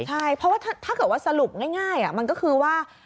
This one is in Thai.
ใช่เพราะว่าถ้าเกิดว่าสรุปง่ายมันก็คือว่า